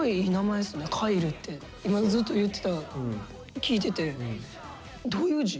今ずっと言ってたの聞いてて。